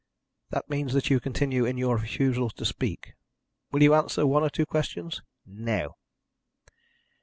"That means that you continue in your refusal to speak. Will you answer one or two questions?" "No."